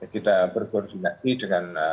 kita berkoordinasi dengan